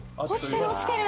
落ちてる！